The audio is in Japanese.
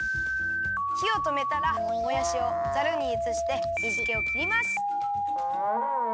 ひをとめたらもやしをザルにうつして水けをきります。